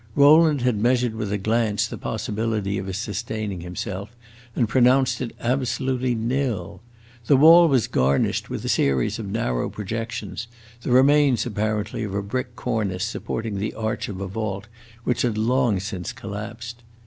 Rowland had measured with a glance the possibility of his sustaining himself, and pronounced it absolutely nil. The wall was garnished with a series of narrow projections, the remains apparently of a brick cornice supporting the arch of a vault which had long since collapsed.